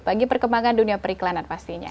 bagi perkembangan dunia periklanan pastinya